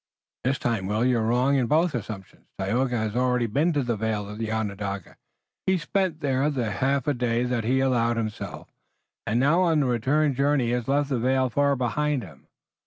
"This time, Will, you're wrong in both assumptions. Tayoga has already been to the vale of Onondaga. He has spent there the half day that he allowed to himself, and now on the return journey has left the vale far behind him.